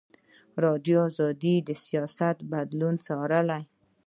ازادي راډیو د سیاست بدلونونه څارلي.